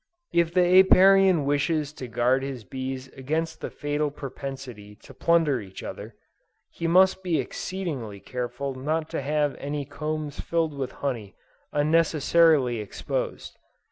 If the Apiarian wishes to guard his bees against the fatal propensity to plunder each other, he must be exceedingly careful not to have any combs filled with honey unnecessarily exposed.